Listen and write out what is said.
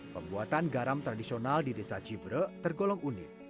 pembuatan garam tradisional di desa cibre tergolong unik